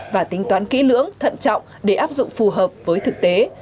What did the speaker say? và tính toán kỹ lưỡng thận trọng để áp dụng phù hợp với thực tế